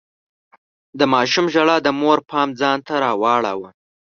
د ماشوم ژړا د مور پام ځان ته راواړاوه.